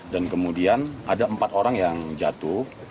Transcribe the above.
dan kemudian ada empat orang yang jatuh